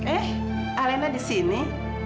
eh alena di sini